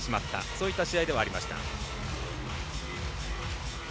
そういった試合ではありました。